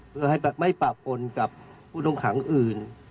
เพื่อให้ไม่ปะปนกับผู้ต้องขังอื่น